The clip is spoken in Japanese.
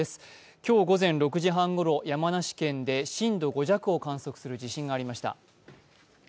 今日午前６時半ごろ、山梨県で震度５弱を観測する地震がありました。